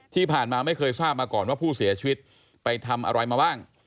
ที่ผ่านมาไม่เคยทราบมาก่อนว่าผู้เสียชีวิตไปทำอะไรมาบ้าง